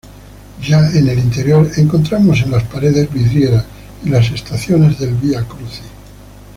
Ya en el interior encontramos en las paredes vidrieras y las estaciones del Viacrucis.